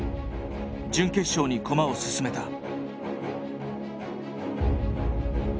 準決勝に駒を進めた。